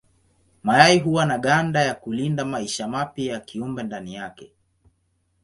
Mayai huwa na ganda ya kulinda maisha mapya ya kiumbe ndani yake.